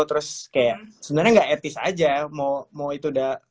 terus kayak sebenarnya gak etis aja ya